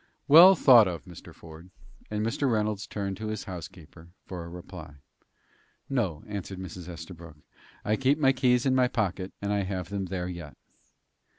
"Well thought of, Mr. Ford," and Mr. Reynolds turned to his housekeeper for a reply. "No," answered Mrs. Estabrook. "I keep my keys in my pocket, and I have them there yet."